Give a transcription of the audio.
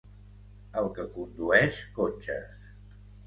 El que condueix cotxes.